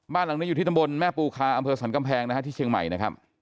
บ้านหลังนี้อยู่ที่ตำบลแม่ปูคาอำเภอสันกำแพงนะฮะที่เชียงใหม่นะครับ